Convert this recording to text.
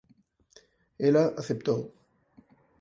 Ela aceptou.